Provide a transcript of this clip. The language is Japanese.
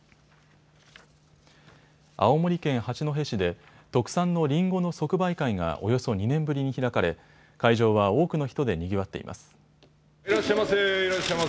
青森県八戸市で特産のりんごの即売会がおよそ２年ぶりに開かれ会場は多くの人でにぎわっています。